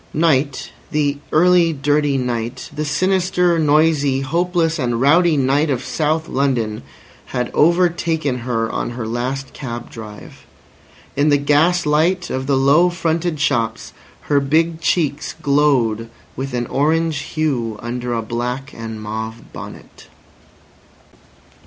Night, the early dirty night, the sinister, noisy, hopeless and rowdy night of South London, had overtaken her on her last cab drive. In the gas light of the low fronted shops her big cheeks glowed with an orange hue under a black and mauve bonnet.